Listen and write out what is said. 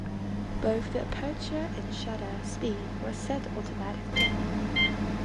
Both the aperture and shutter speed were set automatically.